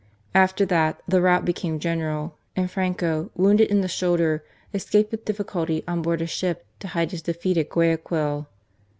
After that the rout became general, and Franco, wounded in the shoulder, escaped with difficulty on board a ship to hide his defeat at Guayaquil.